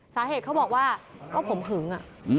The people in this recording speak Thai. สาเหตุเขาบอกว่าก็ผมหึง